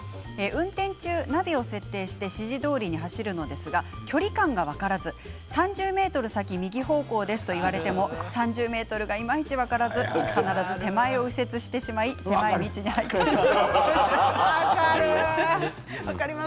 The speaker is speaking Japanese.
運転中、ナビを設定して指示どおりに走るのですが距離感が分からず３０ｍ先右方向ですと言われても３０ｍがいまいち分からず必ず手前を右折してしまい分かる。